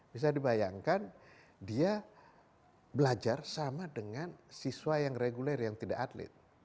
bisa dibayangkan dia belajar sama dengan siswa yang reguler yang tidak atlet